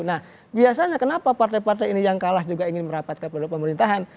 nah biasanya kenapa partai partai ini yang kalah juga ingin merapat kepada pemerintahan